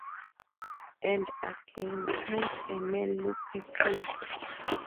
And again, "Can't a man look at you?"